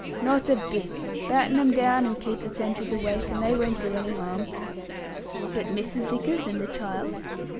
"Not a bit. Batten 'em down and keep the sentries awake, and they won't do any harm." "But Mrs. Vickers and the child?"